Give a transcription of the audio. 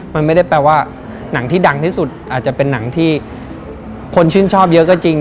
มันไม่ได้แปลว่าหนังที่ดังที่สุดอาจจะเป็นหนังที่คนชื่นชอบเยอะก็จริง